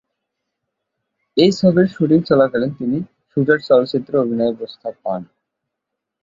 এই ছবির শুটিং চলাকালীন তিনি "শুটার" চলচ্চিত্রে অভিনয়ের প্রস্তাব পান।